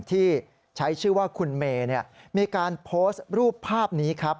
ที่ใช้ชื่อว่าคุณเมย์มีการโพสต์รูปภาพนี้ครับ